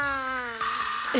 え